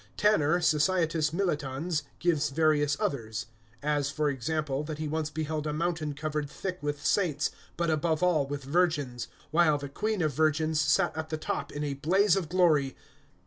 Tanner, Societas Militans, gives various others, as, for example, that he once beheld a mountain covered thick with saints, but above all with virgins, while the Queen of Virgins sat at the top in a blaze of glory.